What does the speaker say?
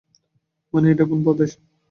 মানে এটা কোন প্রদেশ?